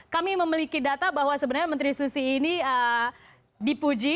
kami memiliki data bahwa sebenarnya menteri susi ini dipuji